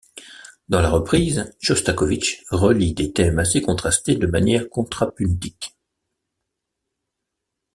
Dans la reprise, Chostakovitch relie des thèmes assez contrastés de manière contrapuntique.